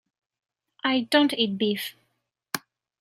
I don’t eat beef.